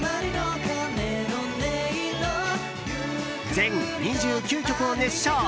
全２９曲を熱唱。